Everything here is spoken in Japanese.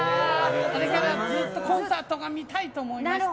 ずっとコンサートが見たいと思いまして。